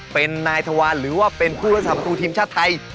เป็นนายธวานหรือว่าเป็นผู้รักษาประตูทีมชาติไทย